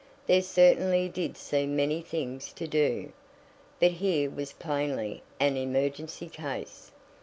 There certainly did seem many things to do, but here was plainly an emergency case.